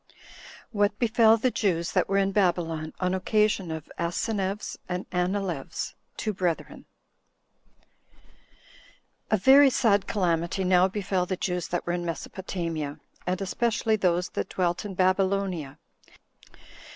What Befell The Jews That Were In Babylon On Occasion Of Asineus And Anileus, Two Brethren. 1. A Very sad calamity now befell the Jews that were in Mesopotamia, and especially those that dwelt in Babylonia.